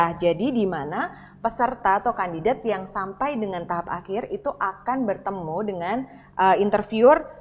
nah jadi di mana peserta atau kandidat yang sampai dengan tahap akhir itu akan bertemu dengan interviewer